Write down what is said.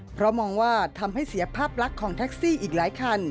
เพราะมองว่าทำให้เสียภาพลักษณ์ของแท็กซี่อีกหลายคัน